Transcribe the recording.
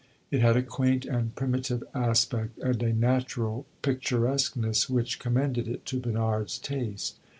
It had a quaint and primitive aspect and a natural picturesqueness which commended it to Bernard's taste.